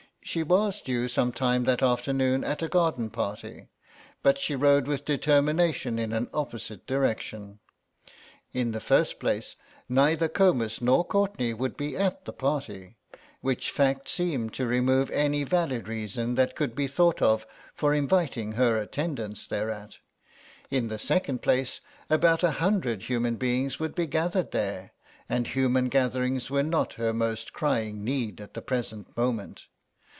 She was due some time that afternoon at a garden party, but she rode with determination in an opposite direction. In the first place neither Comus or Courtenay would be at the party, which fact seemed to remove any valid reason that could be thought of for inviting her attendance thereat; in the second place about a hundred human beings would be gathered there, and human gatherings were not her most crying need at the present moment.